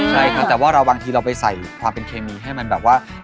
ใช่ครับแต่ว่าบางทีเราไปใส่ความเป็นเคมีให้มันแบบว่า